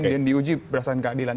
yang diuji perasaan keadilan